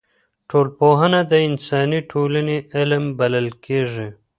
ټولنپوهنه د انساني ټولني علم بلل کیږي.